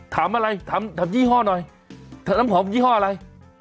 ถามอะไรถามยี่ห้อหน่อยน้ำหอมยี่ห้ออะไร